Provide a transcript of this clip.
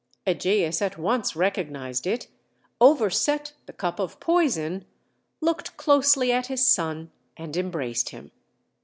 Ægeus at once recognized it, overset the cup of poison, looked closely at his son, and embraced him.